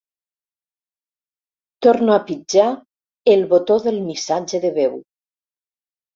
Torno a pitjar el botó del missatge de veu.